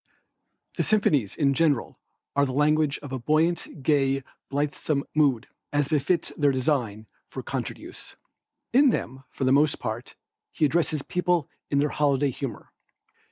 The symphonies in general are the language of a buoyant, gay, blithesome mood, as befits their design for concert use. In them, for the most part, he addresses people in their holiday humor.